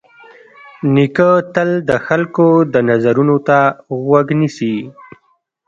نیکه تل د خلکو د نظرونو ته غوږ نیسي.